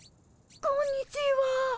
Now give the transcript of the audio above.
こんにちは。